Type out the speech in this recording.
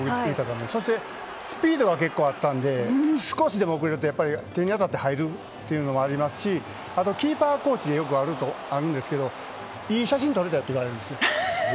そしてスピードが結構あったんで少しでも遅れると手に当たって入ることがありますしあと、キーパーのことでよくあるんですがいい写真撮りたいって言われるんですよ。